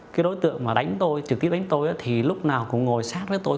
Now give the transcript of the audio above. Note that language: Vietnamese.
cái đối tượng mà đánh tôi trực tiếp đánh tôi thì lúc nào cũng ngồi sát với tôi